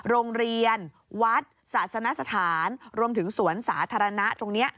โรงเรียนวัดศาสนสถานรวมถึงสวนสาธารณะตรงนี้